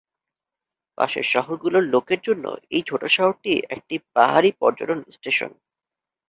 পাশের শহরগুলোর লোকের জন্য এই ছোট শহরটি একটি পাহাড়ি পর্যটন স্টেশন।